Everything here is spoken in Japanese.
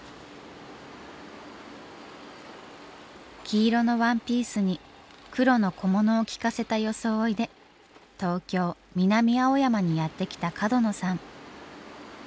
黄色のワンピースに黒の小物をきかせた装いで東京・南青山にやって来た角野さん。